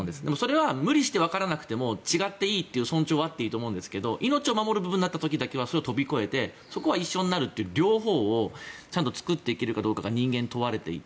でも理解しなくても違っていいという尊重はあっていいと思っていて命を守る部分になった時はそこを飛び越えてそこは一緒になるという両方をちゃんと作っていけるかが人間、問われていて。